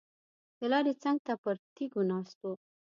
د لارې څنګ ته پر تیږو ناست وو.